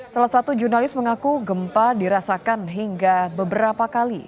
salah satu jurnalis mengaku gempa dirasakan hingga beberapa kali